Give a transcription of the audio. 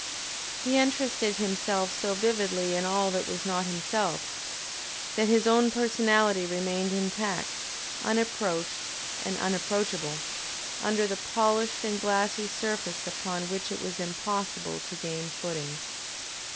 He interested himself so vividly in all that was not himself, that his own personality remained intact, unapproached and unapproachable, under the polished and glassy surface upon which it was impossible to gain footing.